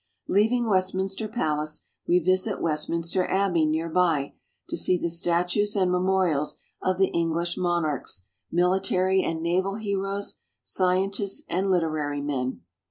Leaving Westminster Palace, we visit Westminster Abbey near by, to see the statues and memorials of the English monarchs, military and naval heroes, scientists, and liter ary men.